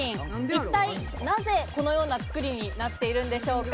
一体なぜ、このようなつくりになっているんでしょうか？